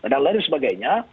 dan lain sebagainya